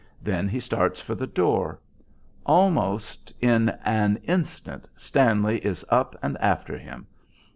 Then he starts for the door. Almost in an instant Stanley is up and after him.